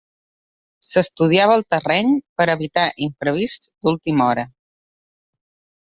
S'estudiava el terreny per evitar imprevists d'última hora.